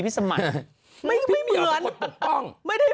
คุณให้ม้ากลับมาเห็นเถอะ